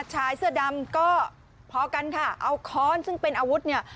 ชายเสื้อดำก็พอกันค่ะเอาค้อนซึ่งเป็นอาวุธเนี่ย